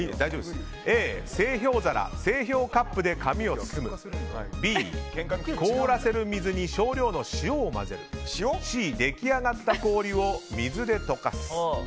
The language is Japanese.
Ａ、製氷皿・製氷カップを紙で包むＢ、凍らせる水に少量の塩を混ぜるＣ、出来上がった氷を水で少し溶かす。